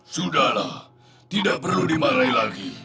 sudahlah tidak perlu dimaknai lagi